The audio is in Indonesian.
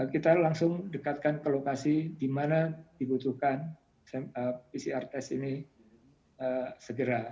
kita langsung dekatkan ke lokasi di mana dibutuhkan pcr test ini segera